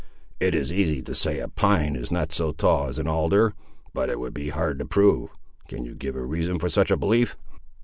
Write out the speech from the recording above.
"It is easy to say a pine is not so tall as an alder, but it would be hard to prove. Can you give a reason for such a belief?"